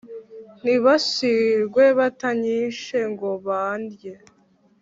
ntibashirwe batanyishe ngo bandye!